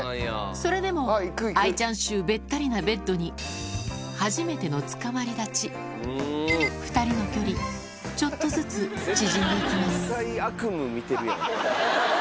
それでも愛ちゃん臭べったりなベッドに２人の距離ちょっとずつ縮んで行きます